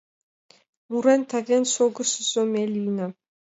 Мурен-тавен шогышыжо ме лийна.